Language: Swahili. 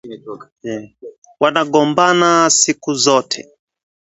Wanagombana siku zote